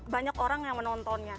banyak orang yang menontonnya